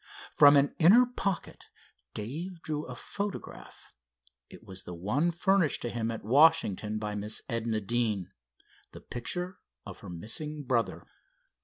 From an inner pocket Dave drew a photograph. It was the one furnished to him at Washington by Miss Edna Deane. The picture of her missing brother.